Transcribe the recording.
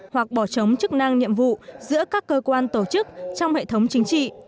hoặc bỏ chống chức năng nhiệm vụ giữa các cơ quan tổ chức trong hệ thống chính trị